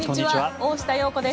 大下容子です。